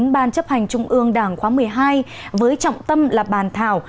ban chấp hành trung ương đảng khóa một mươi hai với trọng tâm là bàn thảo